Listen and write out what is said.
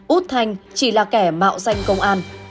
úc thành chỉ là kẻ mạo danh công an